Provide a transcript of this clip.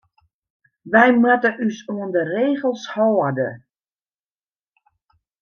Wy moatte ús oan de regels hâlde.